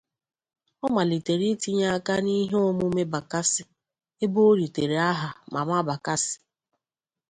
Ọ malitere itinye aka na ihe omume Bakassi, ebe oritere aha "Mama Bakassi".